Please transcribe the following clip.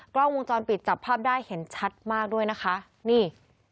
กล้องวงจรปิดจับภาพได้เห็นชัดมากด้วยนะคะนี่